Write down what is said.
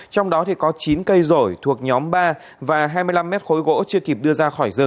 trong đó có chín cây rổi thuộc nhóm ba và hai mươi năm m ba gỗ chưa kịp đưa ra